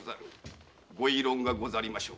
ご異論がござりましょうか？